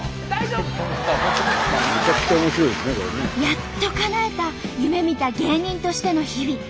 やっとかなえた夢みた芸人としての日々。